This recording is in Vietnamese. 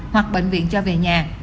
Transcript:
hoặc bệnh viện cho về nhà